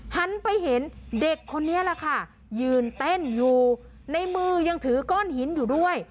หันไปเห็นเด็กคนนี้แหละค่ะยืนเต้นอยู่ในมือยังถือก้อนหินอยู่ด้วย